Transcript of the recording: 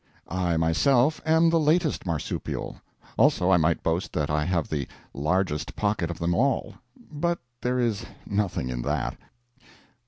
I, myself, am the latest marsupial. Also, I might boast that I have the largest pocket of them all. But there is nothing in that.